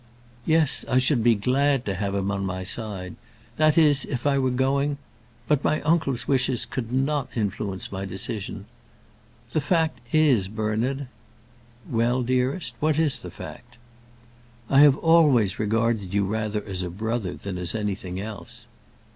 "Yes, I should be glad to have him on my side; that is, if I were going But my uncle's wishes could not influence my decision. The fact is, Bernard " "Well, dearest, what is the fact?" "I have always regarded you rather as a brother than as anything else."